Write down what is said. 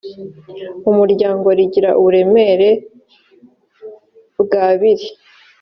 umuryango rigira uburemere bw abiri